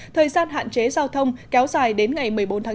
thời gian hạn chế giao thông kéo dài đến ngày một mươi bốn tháng chín